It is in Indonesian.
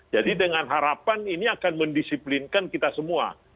jadi dengan harapan ini akan mendisiplinkan kita semua